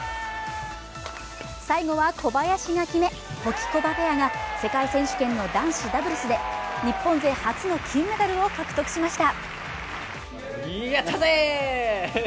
最後は小林が決め、ホキコバペアが世界選手権の男子ダブルスで日本勢初の金メダルを獲得しました。